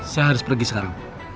saya harus pergi sekarang